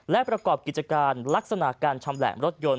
และประกอบกิจการลักษณะการชำแหละรถยนต์